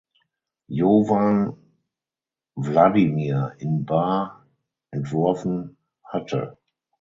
Jovan Vladimir in Bar entworfen hatte.